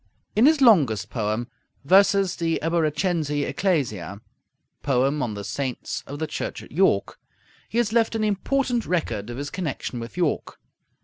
In his longest poem, 'Versus de Eboracensi Ecclesia' (Poem on the Saints of the Church at York), he has left an important record of his connection with York.